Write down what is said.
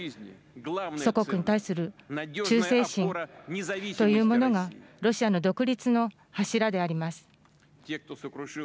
祖国に対する忠誠心というものがロシアの独立の柱であります。